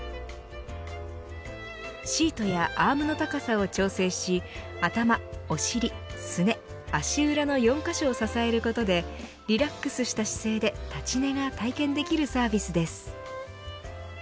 シートやアームの高さを調整し頭、お尻、すね、足裏の４カ所を支えることでリラックスした姿勢で立ち寝が体験できるサービスです。